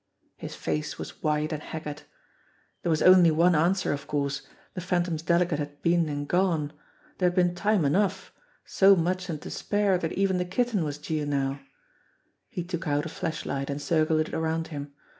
His face was white and haggard. There was only one answer of course the Phantom's delegate had been and gone. There had been time enough so much and to spare that even the Kitten was due now. He took out a flashlight and circled it around him.